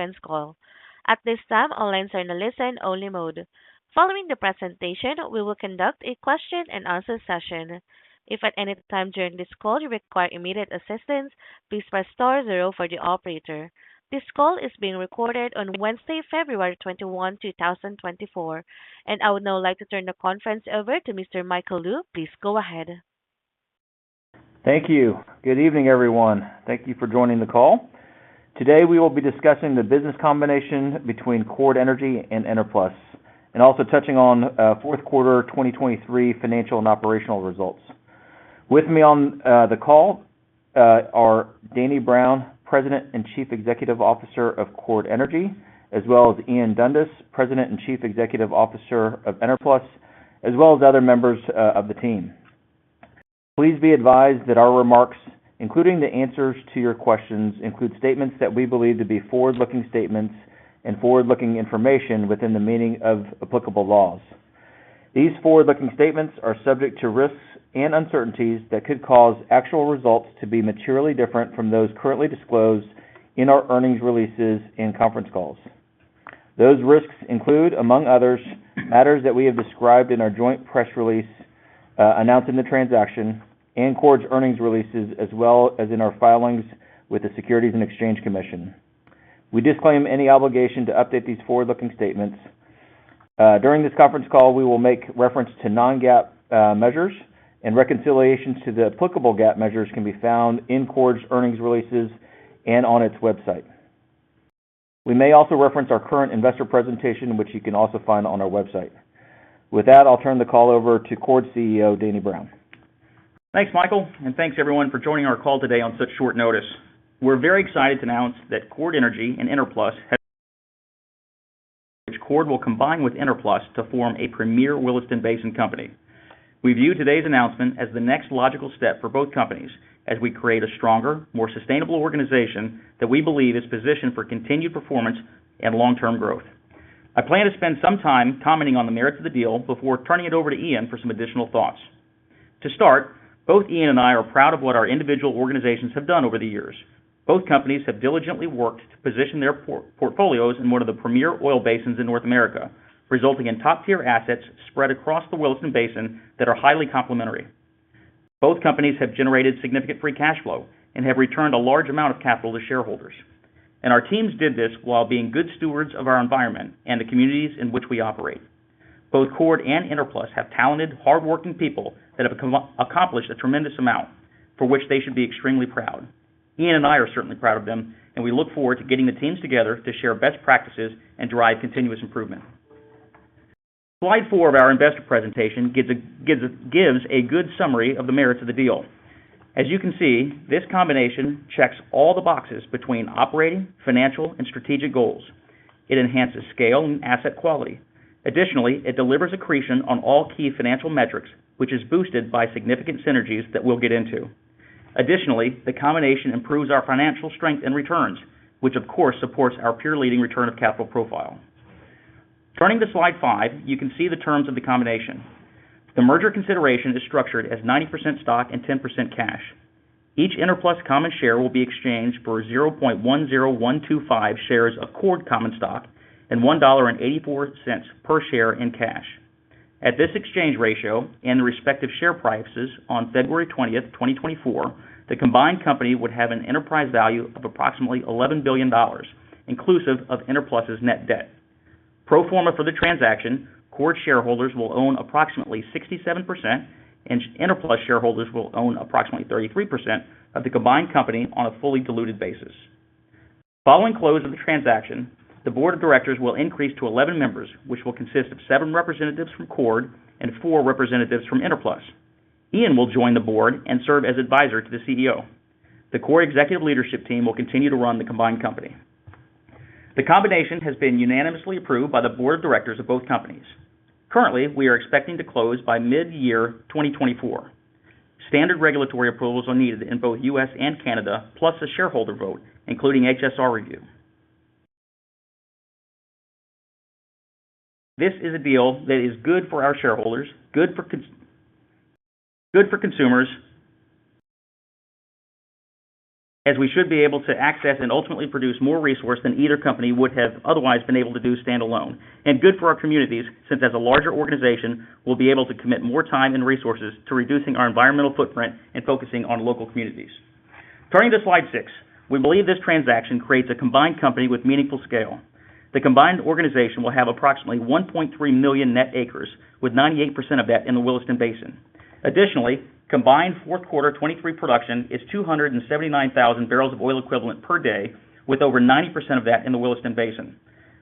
Conference call. At this time, all lines are in a listen-only mode. Following the presentation, we will conduct a question and answer session. If at any time during this call you require immediate assistance, please press star zero for the operator. This call is being recorded on Wednesday, February 21, 2024. I would now like to turn the conference over to Mr. Michael Lou. Please go ahead. Thank you. Good evening, everyone. Thank you for joining the call. Today, we will be discussing the business combination between Chord Energy and Enerplus, and also touching on fourth quarter 2023 financial and operational results. With me on the call are Danny Brown, President and Chief Executive Officer of Chord Energy, as well as Ian Dundas, President and Chief Executive Officer of Enerplus, as well as other members of the team. Please be advised that our remarks, including the answers to your questions, include statements that we believe to be forward-looking statements and forward-looking information within the meaning of applicable laws. These forward-looking statements are subject to risks and uncertainties that could cause actual results to be materially different from those currently disclosed in our earnings releases and conference calls. Those risks include, among others, matters that we have described in our joint press release, announcing the transaction and Chord's earnings releases, as well as in our filings with the Securities and Exchange Commission. We disclaim any obligation to update these forward-looking statements. During this conference call, we will make reference to non-GAAP measures, and reconciliation to the applicable GAAP measures can be found in Chord's earnings releases and on its website. We may also reference our current investor presentation, which you can also find on our website. With that, I'll turn the call over to Chord CEO Danny Brown. Thanks, Michael, and thanks everyone for joining our call today on such short notice. We're very excited to announce that Chord Energy will combine with Enerplus to form a premier Williston Basin company. We view today's announcement as the next logical step for both companies as we create a stronger, more sustainable organization that we believe is positioned for continued performance and long-term growth. I plan to spend some time commenting on the merits of the deal before turning it over to Ian for some additional thoughts. To start, both Ian and I are proud of what our individual organizations have done over the years. Both companies have diligently worked to position their portfolios in one of the premier oil basins in North America, resulting in top-tier assets spread across the Williston Basin that are highly complementary. Both companies have generated significant free cash flow and have returned a large amount of capital to shareholders. Our teams did this while being good stewards of our environment and the communities in which we operate. Both Chord and Enerplus have talented, hardworking people that have accomplished a tremendous amount, for which they should be extremely proud. Ian and I are certainly proud of them, and we look forward to getting the teams together to share best practices and drive continuous improvement. Slide 4 of our investor presentation gives a good summary of the merits of the deal. As you can see, this combination checks all the boxes between operating, financial, and strategic goals. It enhances scale and asset quality. Additionally, it delivers accretion on all key financial metrics, which is boosted by significant synergies that we'll get into. Additionally, the combination improves our financial strength and returns, which of course, supports our peer-leading return of capital profile. Turning to slide 5, you can see the terms of the combination. The merger consideration is structured as 90% stock and 10% cash. Each Enerplus common share will be exchanged for 0.10125 shares of Chord common stock and $1.84 per share in cash. At this exchange ratio and respective share prices on February twentieth, 2024, the combined company would have an enterprise value of approximately $11 billion, inclusive of Enerplus's net debt. Pro forma for the transaction, Chord shareholders will own approximately 67%, and Enerplus shareholders will own approximately 33% of the combined company on a fully diluted basis. Following close of the transaction, the board of directors will increase to 11 members, which will consist of seven representatives from Chord and four representatives from Enerplus. Ian will join the board and serve as advisor to the CEO. The Chord executive leadership team will continue to run the combined company. The combination has been unanimously approved by the board of directors of both companies. Currently, we are expecting to close by mid-year 2024. Standard regulatory approvals are needed in both U.S. and Canada, plus a shareholder vote, including HSR review. This is a deal that is good for our shareholders, good for consumers, as we should be able to access and ultimately produce more resource than either company would have otherwise been able to do standalone. And good for our communities, since as a larger organization, we'll be able to commit more time and resources to reducing our environmental footprint and focusing on local communities. Turning to slide 6, we believe this transaction creates a combined company with meaningful scale. The combined organization will have approximately 1.3 million net acres, with 98% of that in the Williston Basin. Additionally, combined fourth quarter 2023 production is 279,000 barrels of oil equivalent per day, with over 90% of that in the Williston Basin.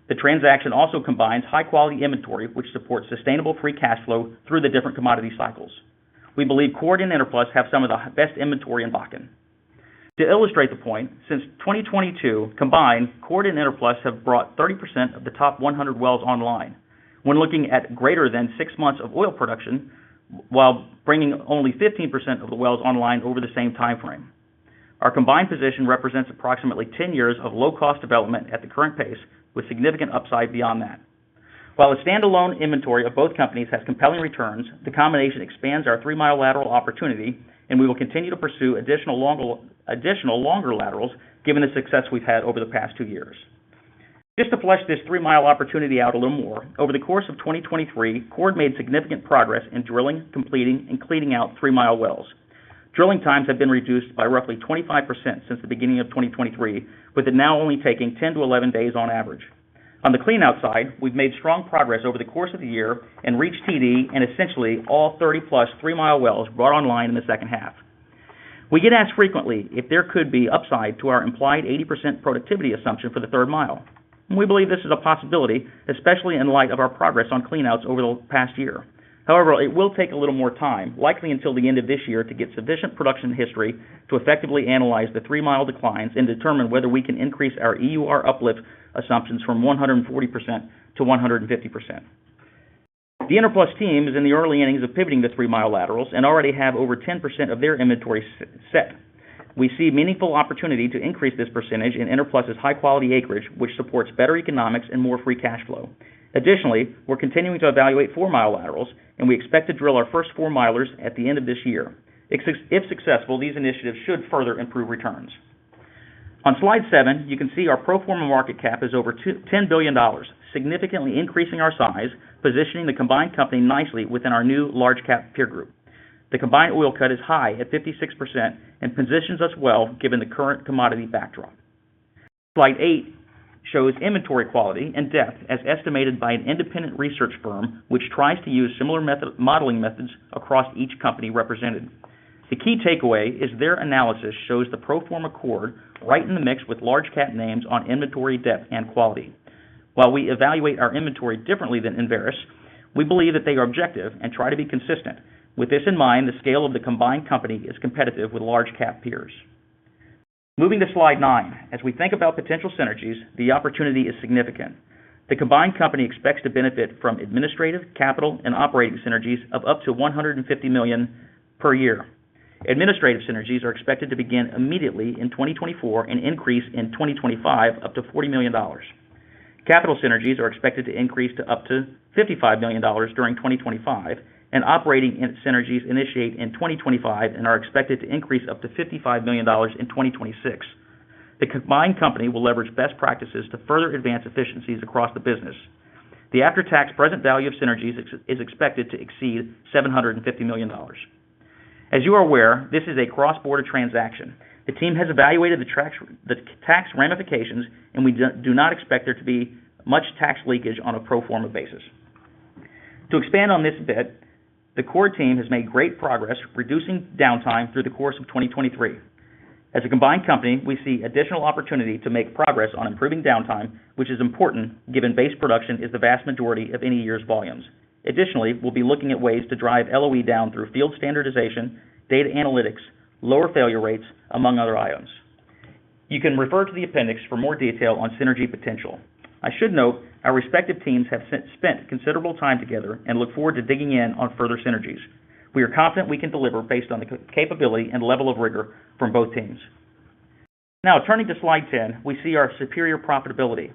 The transaction also combines high-quality inventory, which supports sustainable free cash flow through the different commodity cycles. We believe Chord and Enerplus have some of the best inventory in Bakken. To illustrate the point, since 2022, combined, Chord and Enerplus have brought 30% of the top 100 wells online. When looking at greater than 6 months of oil production, while bringing only 15% of the wells online over the same timeframe. Our combined position represents approximately 10 years of low-cost development at the current pace, with significant upside beyond that.... While the standalone inventory of both companies has compelling returns, the combination expands our 3-mile lateral opportunity, and we will continue to pursue additional longer laterals, given the success we've had over the past 2 years. Just to flesh this 3-mile opportunity out a little more, over the course of 2023, Chord made significant progress in drilling, completing, and cleaning out 3-mile wells. Drilling times have been reduced by roughly 25% since the beginning of 2023, with it now only taking 10-11 days on average. On the cleanout side, we've made strong progress over the course of the year and reached TD, and essentially, all 30+ three-mile wells brought online in the second half. We get asked frequently if there could be upside to our implied 80% productivity assumption for the third mile. We believe this is a possibility, especially in light of our progress on cleanouts over the past year. However, it will take a little more time, likely until the end of this year, to get sufficient production history to effectively analyze the three-mile declines and determine whether we can increase our EUR uplift assumptions from 140% to 150%. The Enerplus team is in the early innings of pivoting the three-mile laterals and already have over 10% of their inventory set. We see meaningful opportunity to increase this percentage in Enerplus's high-quality acreage, which supports better economics and more free cash flow. Additionally, we're continuing to evaluate 4-mile laterals, and we expect to drill our first 4-milers at the end of this year. If successful, these initiatives should further improve returns. On slide 7, you can see our pro forma market cap is over $10 billion, significantly increasing our size, positioning the combined company nicely within our new large cap peer group. The combined oil cut is high, at 56%, and positions us well given the current commodity backdrop. Slide 8 shows inventory quality and depth, as estimated by an independent research firm, which tries to use similar modeling methods across each company represented. The key takeaway is their analysis shows the pro forma Chord right in the mix with large cap names on inventory, depth, and quality. While we evaluate our inventory differently than Enverus, we believe that they are objective and try to be consistent. With this in mind, the scale of the combined company is competitive with large cap peers. Moving to slide nine, as we think about potential synergies, the opportunity is significant. The combined company expects to benefit from administrative, capital, and operating synergies of up to $150 million per year. Administrative synergies are expected to begin immediately in 2024 and increase in 2025, up to $40 million. Capital synergies are expected to increase to up to $55 million during 2025, and operating synergies initiate in 2025 and are expected to increase up to $55 million in 2026. The combined company will leverage best practices to further advance efficiencies across the business. The after-tax present value of synergies is expected to exceed $750 million. As you are aware, this is a cross-border transaction. The team has evaluated the tax ramifications, and we do not expect there to be much tax leakage on a pro forma basis. To expand on this a bit, the core team has made great progress, reducing downtime through the course of 2023. As a combined company, we see additional opportunity to make progress on improving downtime, which is important, given base production is the vast majority of any year's volumes. Additionally, we'll be looking at ways to drive LOE down through field standardization, data analytics, lower failure rates, among other items. You can refer to the appendix for more detail on synergy potential. I should note, our respective teams have spent considerable time together and look forward to digging in on further synergies. We are confident we can deliver based on the capability and level of rigor from both teams. Now, turning to slide 10, we see our superior profitability.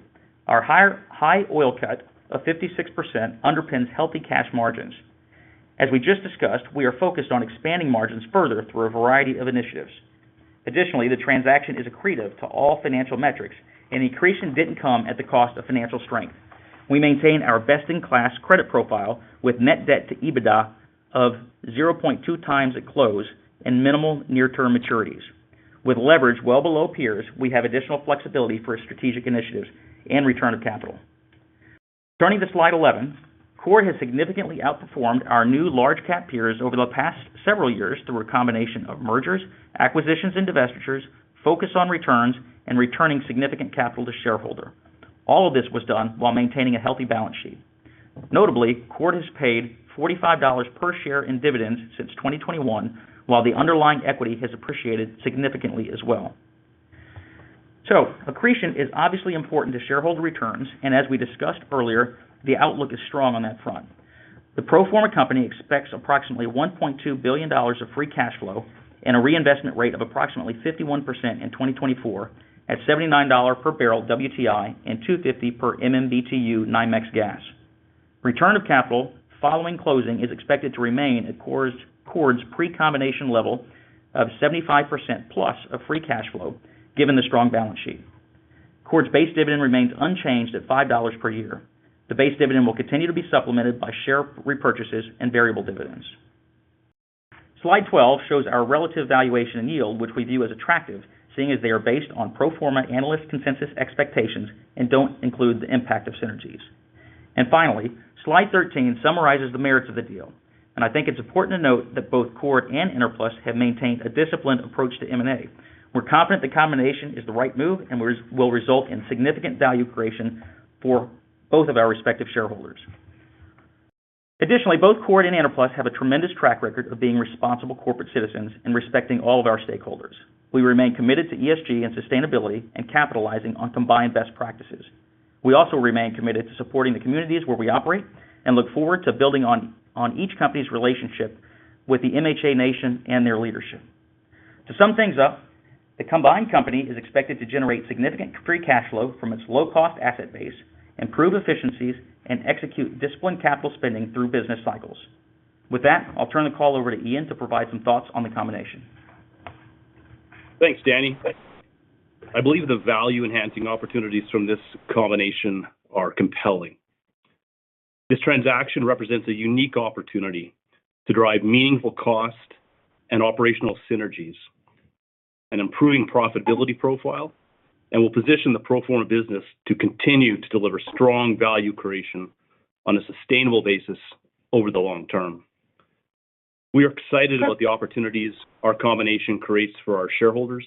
Our high oil cut of 56% underpins healthy cash margins. As we just discussed, we are focused on expanding margins further through a variety of initiatives. Additionally, the transaction is accretive to all financial metrics, and accretion didn't come at the cost of financial strength. We maintain our best-in-class credit profile with net debt to EBITDA of 0.2 times at close and minimal near-term maturities. With leverage well below peers, we have additional flexibility for strategic initiatives and return of capital. Turning to slide 11, Chord has significantly outperformed our new large-cap peers over the past several years through a combination of mergers, acquisitions, and divestitures, focus on returns, and returning significant capital to shareholder. All of this was done while maintaining a healthy balance sheet. Notably, Chord has paid $45 per share in dividends since 2021, while the underlying equity has appreciated significantly as well. Accretion is obviously important to shareholder returns, and as we discussed earlier, the outlook is strong on that front. The pro forma company expects approximately $1.2 billion of free cash flow and a reinvestment rate of approximately 51% in 2024, at $79 per barrel WTI and $2.50 per MMBtu NYMEX gas. Return of capital following closing is expected to remain at Chord's, Chord's pre-combination level of 75%+ of free cash flow, given the strong balance sheet. Chord's base dividend remains unchanged at $5 per year. The base dividend will continue to be supplemented by share repurchases and variable dividends. Slide 12 shows our relative valuation and yield, which we view as attractive, seeing as they are based on pro forma analyst consensus expectations and don't include the impact of synergies. And finally, slide 13 summarizes the merits of the deal. I think it's important to note that both Chord and Enerplus have maintained a disciplined approach to M&A. We're confident the combination is the right move and will result in significant value creation for both of our respective shareholders. Additionally, both Chord and Enerplus have a tremendous track record of being responsible corporate citizens and respecting all of our stakeholders. We remain committed to ESG and sustainability and capitalizing on combined best practices. We also remain committed to supporting the communities where we operate and look forward to building on each company's relationship with the MHA Nation and their leadership… To sum things up, the combined company is expected to generate significant free cash flow from its low-cost asset base, improve efficiencies, and execute disciplined capital spending through business cycles. With that, I'll turn the call over to Ian to provide some thoughts on the combination. Thanks, Danny. I believe the value-enhancing opportunities from this combination are compelling. This transaction represents a unique opportunity to drive meaningful cost and operational synergies and improving profitability profile, and will position the pro forma business to continue to deliver strong value creation on a sustainable basis over the long term. We are excited about the opportunities our combination creates for our shareholders,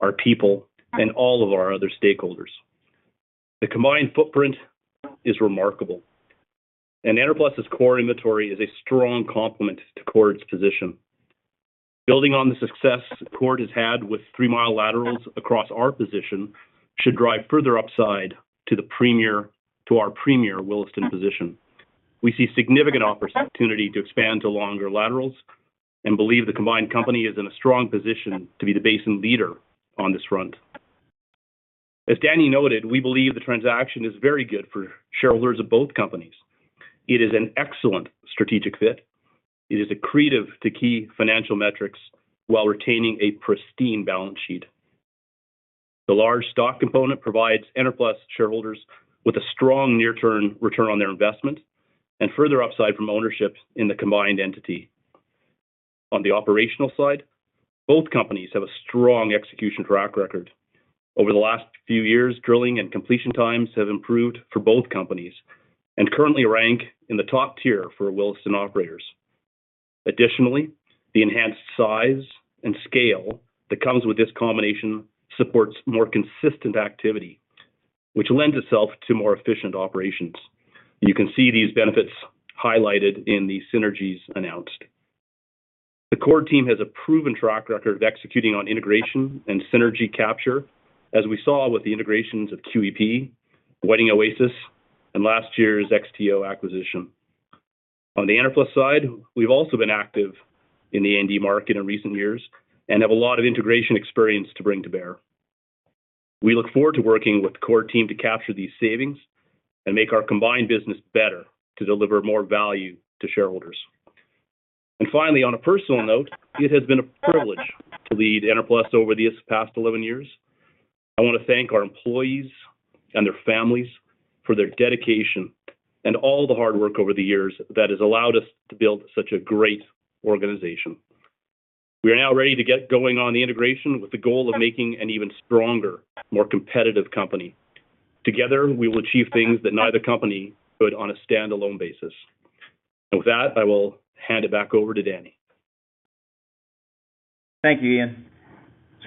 our people, and all of our other stakeholders. The combined footprint is remarkable, and Enerplus's core inventory is a strong complement to Chord's position. Building on the success Chord has had with three-mile laterals across our position should drive further upside to our premier Williston position. We see significant opportunity to expand to longer laterals and believe the combined company is in a strong position to be the basin leader on this front. As Danny noted, we believe the transaction is very good for shareholders of both companies. It is an excellent strategic fit. It is accretive to key financial metrics while retaining a pristine balance sheet. The large stock component provides Enerplus shareholders with a strong near-term return on their investment and further upside from ownership in the combined entity. On the operational side, both companies have a strong execution track record. Over the last few years, drilling and completion times have improved for both companies and currently rank in the top tier for Williston operators. Additionally, the enhanced size and scale that comes with this combination supports more consistent activity, which lends itself to more efficient operations. You can see these benefits highlighted in the synergies announced. The Chord team has a proven track record of executing on integration and synergy capture, as we saw with the integrations of QEP, Whiting, Oasis, and last year's XTO acquisition. On the Enerplus side, we've also been active in the A&D market in recent years and have a lot of integration experience to bring to bear. We look forward to working with the Chord team to capture these savings and make our combined business better to deliver more value to shareholders. And finally, on a personal note, it has been a privilege to lead Enerplus over these past 11 years. I want to thank our employees and their families for their dedication and all the hard work over the years that has allowed us to build such a great organization. We are now ready to get going on the integration with the goal of making an even stronger, more competitive company. Together, we will achieve things that neither company could on a standalone basis. And with that, I will hand it back over to Danny. Thank you, Ian.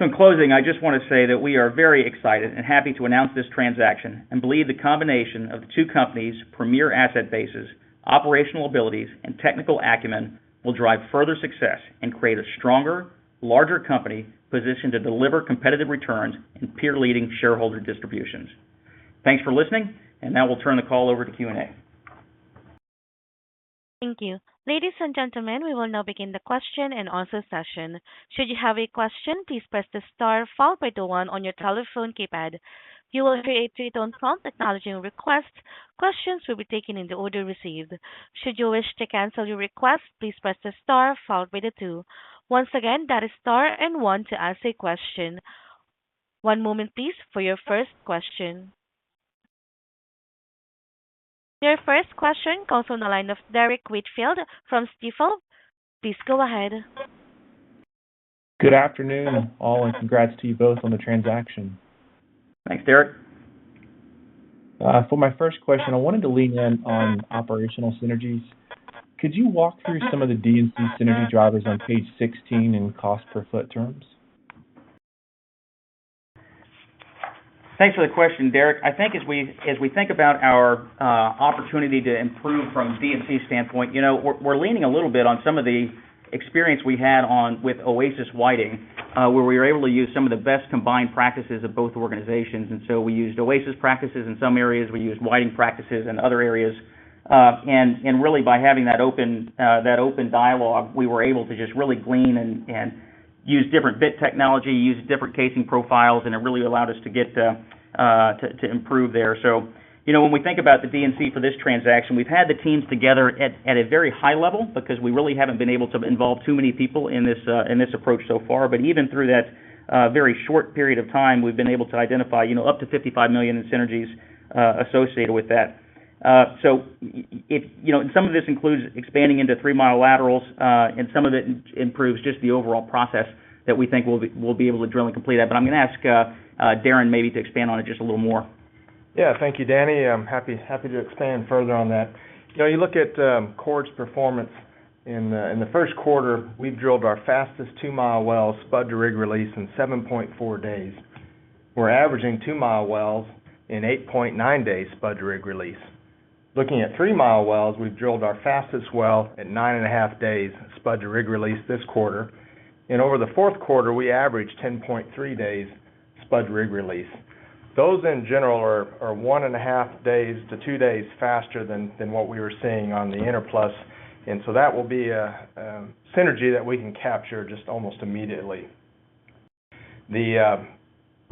So in closing, I just want to say that we are very excited and happy to announce this transaction and believe the combination of the two companies' premier asset bases, operational abilities, and technical acumen will drive further success and create a stronger, larger company positioned to deliver competitive returns and peer-leading shareholder distributions. Thanks for listening, and now we'll turn the call over to Q&A. Thank you. Ladies and gentlemen, we will now begin the question and answer session. Should you have a question, please press the star followed by the one on your telephone keypad. You will hear a three-tone prompt acknowledging your request. Questions will be taken in the order received. Should you wish to cancel your request, please press the star followed by the two. Once again, that is star and one to ask a question. One moment, please, for your first question. Your first question comes from the line of Derrick Whitfield from Stifel. Please go ahead. Good afternoon, all, and congrats to you both on the transaction. Thanks, Derrick. For my first question, I wanted to lean in on operational synergies. Could you walk through some of the D&C synergy drivers on page 16 in cost per foot terms? Thanks for the question, Derrick. I think as we think about our opportunity to improve from D&C standpoint, you know, we're leaning a little bit on some of the experience we had on with Oasis Whiting, where we were able to use some of the best combined practices of both organizations. And so we used Oasis practices in some areas, we used Whiting practices in other areas. And really, by having that open dialogue, we were able to just really glean and use different bit technology, use different casing profiles, and it really allowed us to get to improve there. So, you know, when we think about the D&C for this transaction, we've had the teams together at a very high level because we really haven't been able to involve too many people in this, in this approach so far. But even through that, very short period of time, we've been able to identify, you know, up to $55 million in synergies, associated with that. So if... You know, and some of this includes expanding into three-mile laterals, and some of it improves just the overall process that we think we'll be, we'll be able to drill and complete that. But I'm going to ask, Darrin, maybe to expand on it just a little more. Yeah. Thank you, Danny. I'm happy, happy to expand further on that. You know, you look at, Chord's performance in the, in the first quarter, we've drilled our fastest two-mile well spud to rig release in 7.4 days. We're averaging two-mile wells in 8.9 days spud to rig release. Looking at three-mile wells, we've drilled our fastest well at 9.5 days, spud to rig release this quarter. And over the fourth quarter, we averaged 10.3 days spud to rig release.... Those in general are 1.5 days to 2 days faster than what we were seeing on the Enerplus. And so that will be a synergy that we can capture just almost immediately.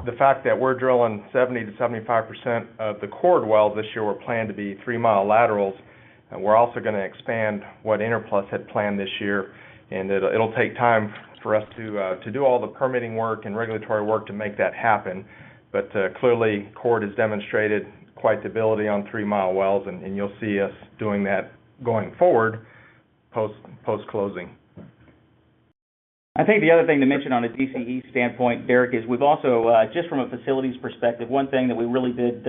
The fact that we're drilling 70%-75% of the Chord wells this year were planned to be 3-mile laterals, and we're also gonna expand what Enerplus had planned this year. And it'll take time for us to do all the permitting work and regulatory work to make that happen. But clearly, Chord has demonstrated quite the ability on 3-mile wells, and you'll see us doing that going forward, post-closing. I think the other thing to mention on a DC&E standpoint, Derrick, is we've also just from a facilities perspective, one thing that we really did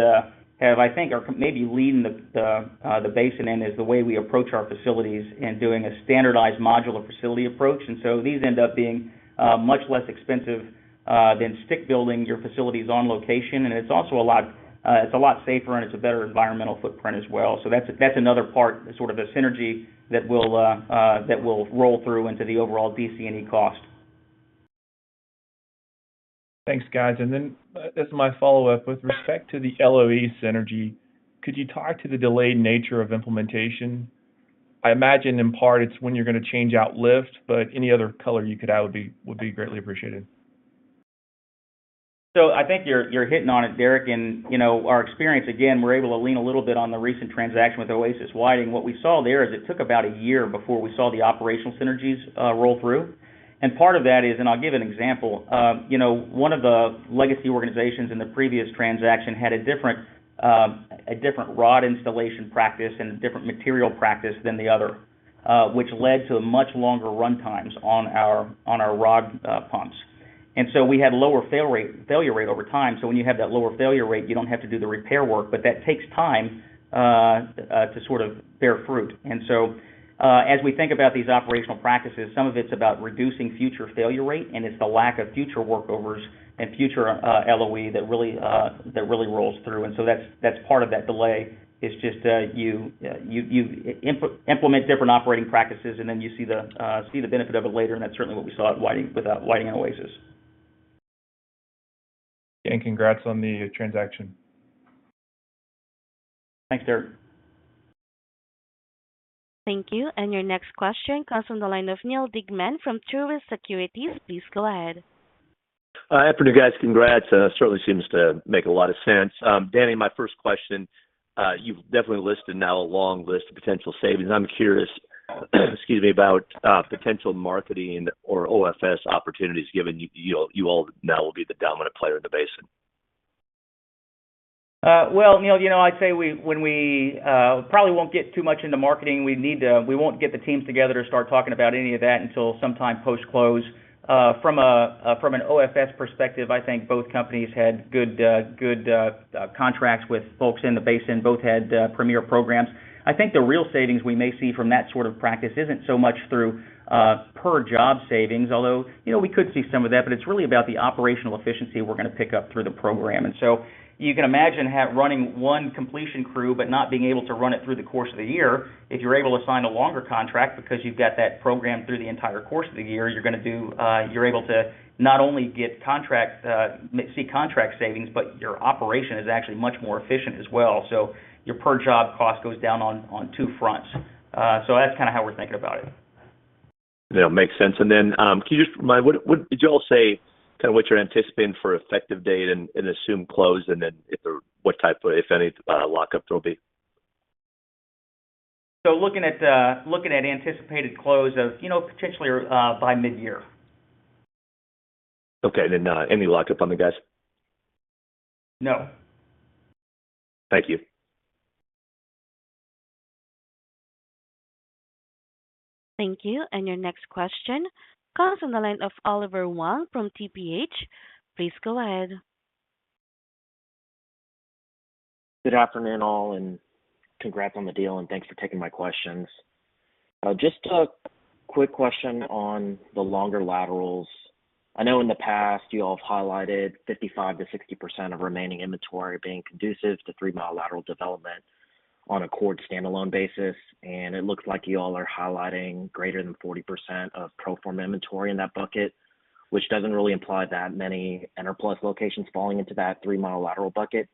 have, I think, are maybe leading the basin in is the way we approach our facilities in doing a standardized modular facility approach. And so these end up being much less expensive than stick building your facilities on location. And it's also a lot, it's a lot safer, and it's a better environmental footprint as well. So that's another part, sort of a synergy that will roll through into the overall DC&E cost. Thanks, guys. And then as my follow-up, with respect to the LOE synergy, could you talk to the delayed nature of implementation? I imagine in part, it's when you're gonna change out lift, but any other color you could add would be, would be greatly appreciated. So I think you're hitting on it, Derrick. And you know, our experience, again, we're able to lean a little bit on the recent transaction with Oasis Whiting. What we saw there is it took about a year before we saw the operational synergies roll through. And part of that is, and I'll give an example. You know, one of the legacy organizations in the previous transaction had a different, a different rod installation practice and a different material practice than the other, which led to much longer runtimes on our rod pumps. And so we had lower failure rate over time. So when you have that lower failure rate, you don't have to do the repair work, but that takes time to sort of bear fruit. And so, as we think about these operational practices, some of it's about reducing future failure rate, and it's the lack of future workovers and future LOE that really rolls through. And so that's part of that delay. It's just that you implement different operating practices, and then you see the benefit of it later, and that's certainly what we saw at Whiting, with Whiting and Oasis. Congrats on the transaction. Thanks, Derrick. Thank you. Your next question comes from the line of Neal Dingmann from Truist Securities. Please go ahead. Afternoon, guys. Congrats. It certainly seems to make a lot of sense. Danny, my first question, you've definitely listed now a long list of potential savings. I'm curious, excuse me, about potential marketing or OFS opportunities, given you, you all now will be the dominant player in the basin. Well, Neal, you know, I'd say we probably won't get too much into marketing. We need to. We won't get the teams together to start talking about any of that until sometime post-close. From a, from an OFS perspective, I think both companies had good, good, contracts with folks in the basin, both had, premier programs. I think the real savings we may see from that sort of practice isn't so much through, per job savings, although, you know, we could see some of that, but it's really about the operational efficiency we're gonna pick up through the program. And so you can imagine have, running one completion crew, but not being able to run it through the course of the year. If you're able to sign a longer contract because you've got that program through the entire course of the year, you're able to not only get contract savings, but your operation is actually much more efficient as well. So your per-job cost goes down on two fronts. So that's kind of how we're thinking about it. Yeah, makes sense. Then, can you just remind, what, what did you all say, kind of what you're anticipating for effective date and assumed close, and then if there, what type, if any, lockup there will be? Looking at anticipated close of, you know, potentially by mid-year. Okay. Then, any lockup on that, guys? No. Thank you. Thank you. And your next question comes on the line of Oliver Huang from TPH. Please go ahead. Good afternoon, all, and congrats on the deal, and thanks for taking my questions. Just a quick question on the longer laterals. I know in the past, you all have highlighted 55%-60% of remaining inventory being conducive to three-mile lateral development on a Chord standalone basis, and it looks like you all are highlighting greater than 40% of pro forma inventory in that bucket, which doesn't really imply that many Enerplus locations falling into that three-mile lateral bucket.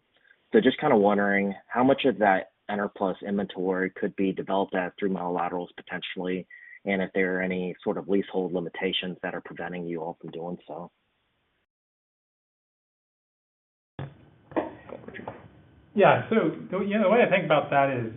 So just kind of wondering, how much of that Enerplus inventory could be developed at three-mile laterals potentially, and if there are any sort of leasehold limitations that are preventing you all from doing so? Yeah. So, you know, the way I think about that is,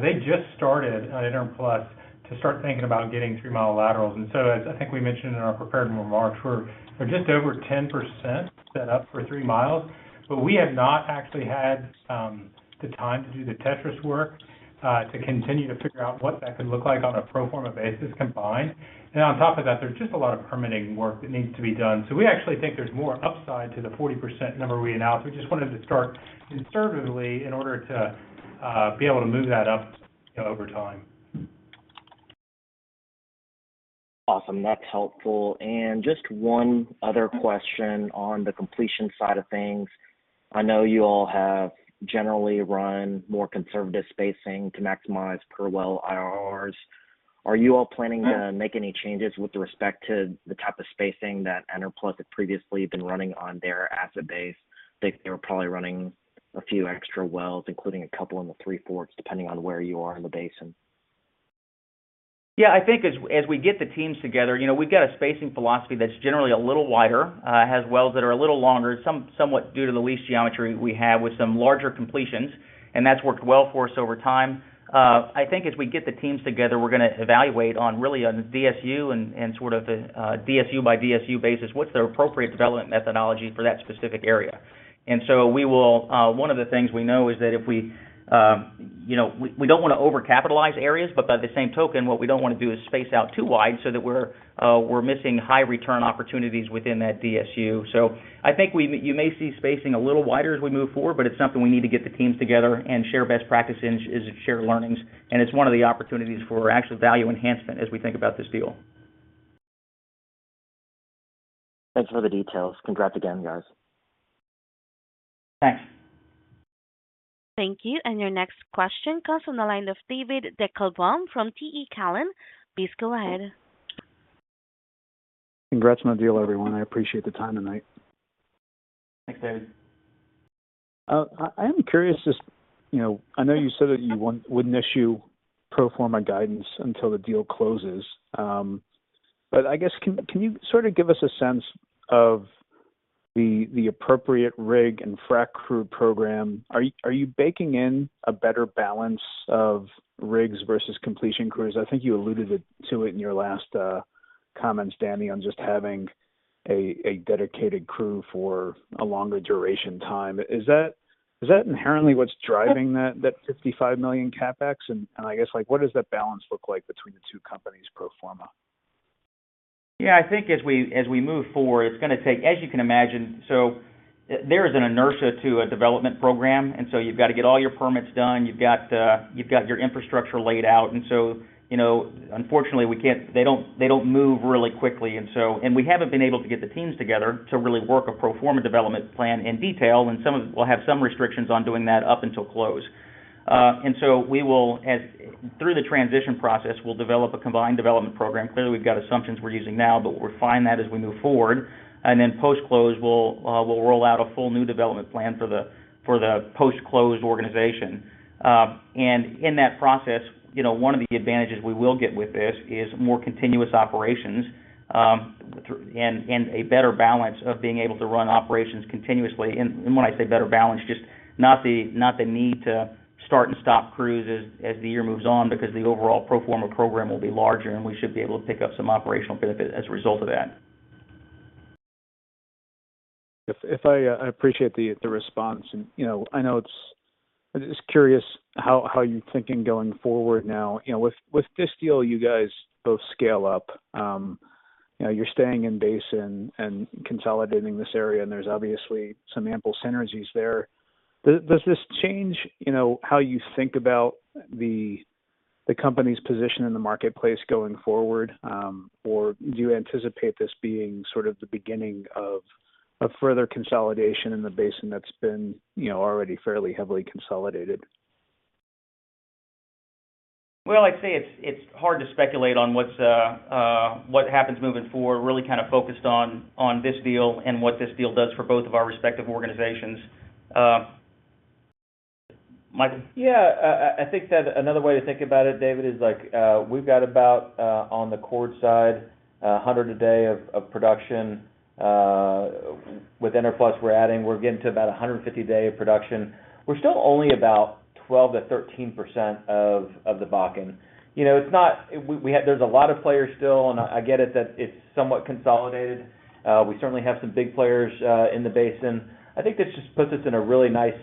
they just started at Enerplus to start thinking about getting three-mile laterals. And so as I think we mentioned in our prepared remarks, we're, we're just over 10% set up for three miles, but we have not actually had the time to do the Tetris work to continue to figure out what that could look like on a pro forma basis combined. And on top of that, there's just a lot of permitting work that needs to be done. So we actually think there's more upside to the 40% number we announced. We just wanted to start conservatively in order to be able to move that up over time. Awesome. That's helpful. Just one other question on the completion side of things. I know you all have generally run more conservative spacing to maximize per well IRRs. ... Are you all planning to make any changes with respect to the type of spacing that Enerplus had previously been running on their asset base? I think they were probably running a few extra wells, including a couple in the three-fourths, depending on where you are in the basin. Yeah, I think as we get the teams together, you know, we've got a spacing philosophy that's generally a little wider, has wells that are a little longer, somewhat due to the lease geometry we have with some larger completions, and that's worked well for us over time. I think as we get the teams together, we're gonna evaluate really on DSU and sort of a DSU by DSU basis, what's the appropriate development methodology for that specific area? And so we will, one of the things we know is that if we, you know, we don't want to overcapitalize areas, but by the same token, what we don't want to do is space out too wide so that we're missing high return opportunities within that DSU. I think you may see spacing a little wider as we move forward, but it's something we need to get the teams together and share best practices and share learnings. It's one of the opportunities for actual value enhancement as we think about this deal. Thanks for the details. Congrats again, guys. Thanks. Thank you. Your next question comes from the line of David Deckelbaum from TD Cowen. Please go ahead. Congrats on the deal, everyone. I appreciate the time tonight. Thanks, David. I am curious, just, you know, I know you said that you wouldn't issue pro forma guidance until the deal closes. But I guess, can you sort of give us a sense of the appropriate rig and frack crew program? Are you baking in a better balance of rigs versus completion crews? I think you alluded to it in your last comments, Danny, on just having a dedicated crew for a longer duration time. Is that inherently what's driving that $55 million CapEx? And I guess, like, what does that balance look like between the two companies pro forma? Yeah, I think as we move forward, it's gonna take, as you can imagine. So there is an inertia to a development program, and so you've got to get all your permits done, you've got your infrastructure laid out. And so, you know, unfortunately, we can't - they don't, they don't move really quickly, and so - and we haven't been able to get the teams together to really work a pro forma development plan in detail, and some of - we'll have some restrictions on doing that up until close. And so we will, as - through the transition process, we'll develop a combined development program. Clearly, we've got assumptions we're using now, but we'll refine that as we move forward. And then post-close, we'll roll out a full new development plan for the post-closed organization. In that process, you know, one of the advantages we will get with this is more continuous operations, and a better balance of being able to run operations continuously. When I say better balance, just not the need to start and stop crews as the year moves on, because the overall pro forma program will be larger, and we should be able to pick up some operational benefit as a result of that. If I appreciate the response. And, you know, I know it's—I'm just curious how you're thinking going forward now. You know, with this deal, you guys both scale up. You know, you're staying in basin and consolidating this area, and there's obviously some ample synergies there. Does this change, you know, how you think about the company's position in the marketplace going forward? Or do you anticipate this being sort of the beginning of further consolidation in the basin that's been, you know, already fairly heavily consolidated? Well, I'd say it's hard to speculate on what happens moving forward. We're really kind of focused on this deal and what this deal does for both of our respective organizations. Michael? Yeah, I think that another way to think about it, David, is like, we've got about, on the Chord side, 100 a day of production. With Enerplus, we're adding, we're getting to about 150 a day of production. We're still only about 12%-13% of the Bakken. You know, it's not. We have. There's a lot of players still, and I get it that it's somewhat consolidated. We certainly have some big players in the basin. I think this just puts us in a really nice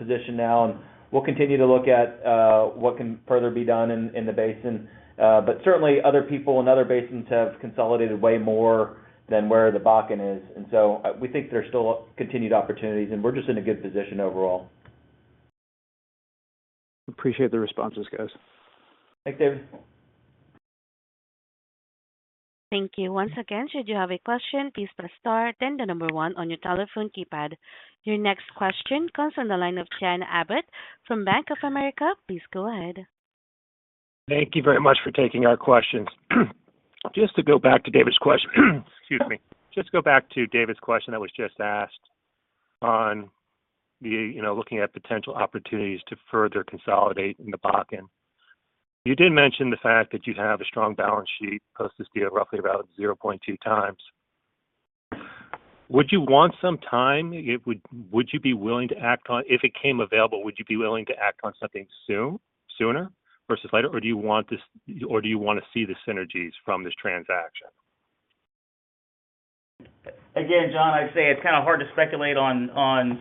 position now, and we'll continue to look at what can further be done in the basin. But certainly, other people and other basins have consolidated way more than where the Bakken is. And so we think there's still continued opportunities, and we're just in a good position overall. Appreciate the responses, guys. Thanks, David. Thank you. Once again, should you have a question, please press star then 1 on your telephone keypad. Your next question comes from the line of John Abbott from Bank of America. Please go ahead. Thank you very much for taking our questions. Just to go back to David's question, excuse me. Just to go back to David's question that was just asked on the, you know, looking at potential opportunities to further consolidate in the Bakken. You did mention the fact that you have a strong balance sheet post this deal, roughly about 0.2x. Would you want some time? Would you be willing to act on if it came available, would you be willing to act on something soon, sooner versus later? Or do you want this or do you want to see the synergies from this transaction? Again, John, I'd say it's kind of hard to speculate on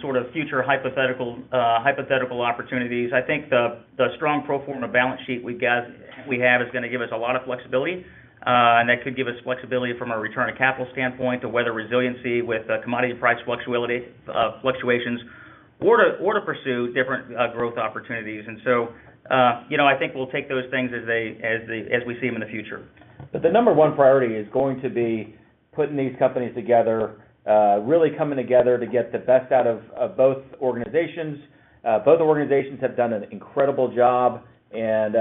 sort of future hypothetical opportunities. I think the strong pro forma balance sheet we have is gonna give us a lot of flexibility, and that could give us flexibility from a return on capital standpoint to weather resiliency with commodity price fluctuations, or to pursue different growth opportunities. And so, you know, I think we'll take those things as we see them in the future.... But the number one priority is going to be putting these companies together, really coming together to get the best out of both organizations. Both organizations have done an incredible job, and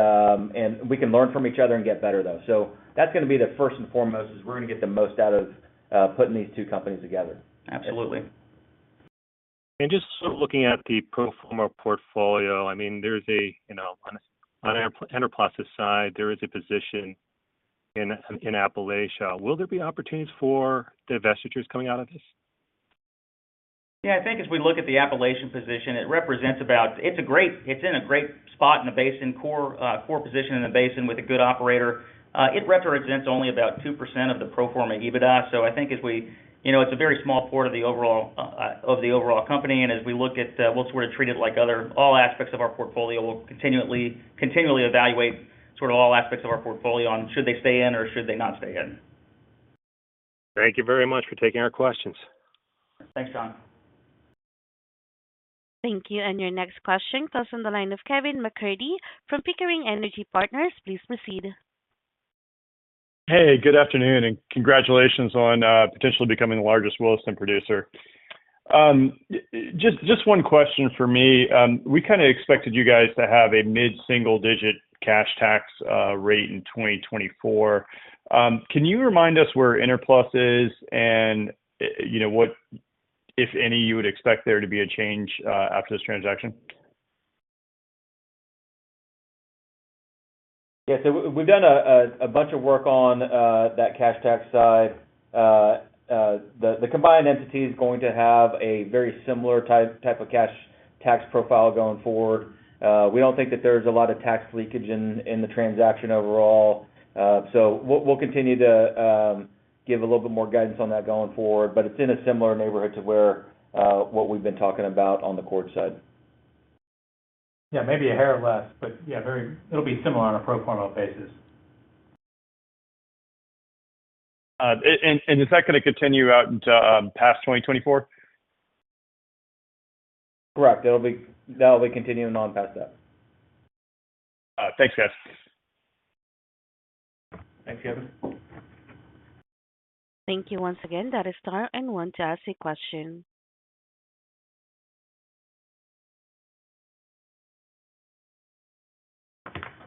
we can learn from each other and get better, though. So that's gonna be the first and foremost. We're gonna get the most out of putting these two companies together. Absolutely. Just looking at the pro forma portfolio, I mean, you know, on Enerplus' side, there is a position in Appalachia. Will there be opportunities for divestitures coming out of this? Yeah, I think as we look at the Appalachian position, it represents about, it's a great, it's in a great spot in the basin core, core position in the basin with a good operator. It represents only about 2% of the pro forma EBITDA. So I think as we... You know, it's a very small part of the overall, of the overall company, and as we look at, we'll sort of treat it like other all aspects of our portfolio, we'll continually evaluate sort of all aspects of our portfolio on should they stay in or should they not stay in. Thank you very much for taking our questions. Thanks, John. Thank you, and your next question comes from the line of Kevin McCurdy from Pickering Energy Partners. Please proceed. Hey, good afternoon, and congratulations on potentially becoming the largest Williston producer. Just one question for me. We kind of expected you guys to have a mid-single digit cash tax rate in 2024. Can you remind us where Enerplus is and you know what, if any, you would expect there to be a change after this transaction? Yeah, so we've done a bunch of work on that cash tax side. The combined entity is going to have a very similar type of cash tax profile going forward. We don't think that there's a lot of tax leakage in the transaction overall. So we'll continue to give a little bit more guidance on that going forward, but it's in a similar neighborhood to where what we've been talking about on the Chord side. Yeah, maybe a hair less, but yeah, very, it'll be similar on a pro forma basis. Is that gonna continue out into past 2024? Correct. That'll be, that'll be continuing on past that. Thanks, guys. Thanks, Kevin. Thank you once again. That is all. Anyone to ask a question?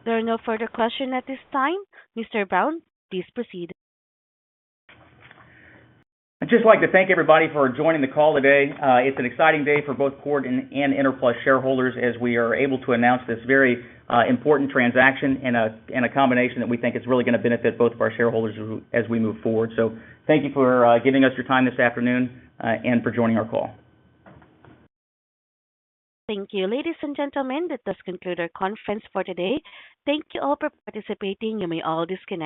There are no further questions at this time. Mr. Brown, please proceed. I'd just like to thank everybody for joining the call today. It's an exciting day for both Chord and, and Enerplus shareholders, as we are able to announce this very, important transaction and a, and a combination that we think is really gonna benefit both of our shareholders as we, as we move forward. So thank you for, giving us your time this afternoon, and for joining our call. Thank you. Ladies and gentlemen, that does conclude our conference for today. Thank you all for participating. You may all disconnect.